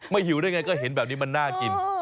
หิวได้ไงก็เห็นแบบนี้มันน่ากิน